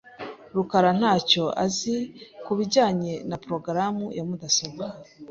rukara ntacyo azi kubijyanye na progaramu ya mudasobwa .